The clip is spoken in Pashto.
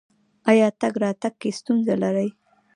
ایا تګ راتګ کې ستونزه لرئ؟